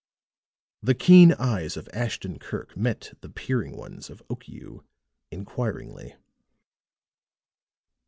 The keen eyes of Ashton Kirk met the peering ones of Okiu inquiringly.